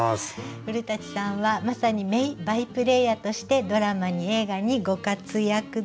古さんはまさに名バイプレーヤーとしてドラマに映画にご活躍です。